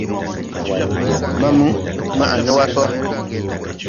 Maamu, maʼ ne wa gɔ !